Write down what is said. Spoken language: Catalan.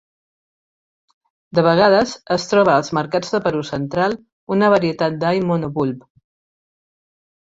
De vegades, es troba als mercats de Perú central una varietat d"all monobulb